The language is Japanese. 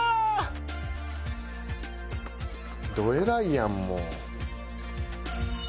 どえらいやんもう。